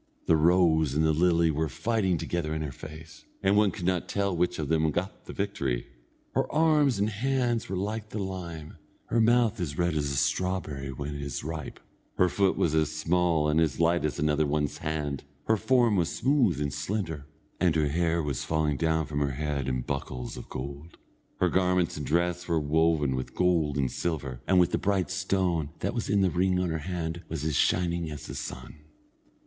The rose and the lily were fighting together in her face, and one could not tell which of them got the victory. Her arms and hands were like the lime, her mouth as red as a strawberry when it is ripe, her foot was as small and as light as another one's hand, her form was smooth and slender, and her hair was falling down from her head in buckles of gold. Her garments and dress were woven with gold and silver, and the bright stone that was in the ring on her hand was as shining as the sun.